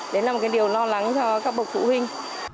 đấy là một điều lo lắng cho các bậc phụ huynh